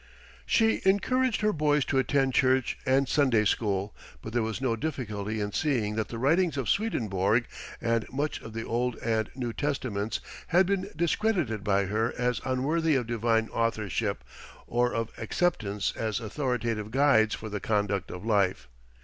She encouraged her boys to attend church and Sunday school; but there was no difficulty in seeing that the writings of Swedenborg, and much of the Old and New Testaments had been discredited by her as unworthy of divine authorship or of acceptance as authoritative guides for the conduct of life.